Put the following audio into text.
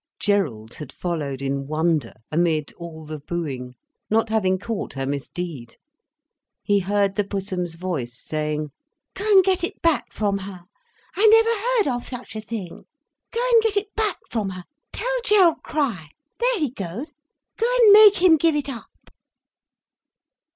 Gerald had followed in wonder, amid all the booing, not having caught her misdeed. He heard the Pussum's voice saying: "Go and get it back from her. I never heard of such a thing! Go and get it back from her. Tell Gerald Crich—there he goes—go and make him give it up."